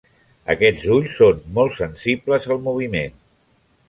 Aquests ulls són molt sensibles al moviment.